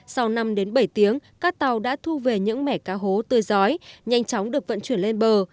sau năm đến bảy tiếng các tàu đã thu về những mẻ cá hố tươi gió nhanh chóng được vận chuyển lên bờ